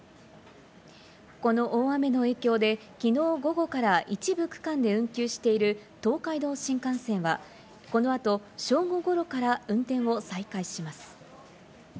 この大雨の影響で、きのう午後から一部区間で運休している東海道新幹線はこの後、正午ごろから運転を再開します。